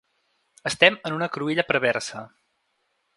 Estem en una cruïlla perversa.